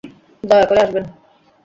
দয়া করে আসবেন।